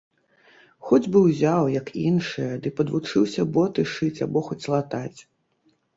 Хоць бы ўзяў, як іншыя, ды падвучыўся боты шыць або хоць латаць.